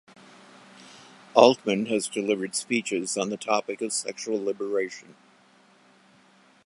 Altman has delivered speeches on the topic of sexual liberation.